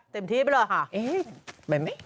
เต็มที่เปล่าค่ะ